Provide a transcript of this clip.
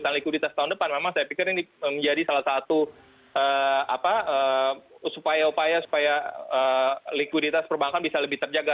dan likuiditas tahun depan memang saya pikir ini menjadi salah satu supaya upaya supaya likuiditas perbankan bisa lebih terjaga